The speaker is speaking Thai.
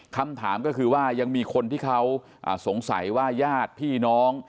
คำถามก็คือว่ายังมีคนที่เขาสงสัยว่าญาติพี่น้อง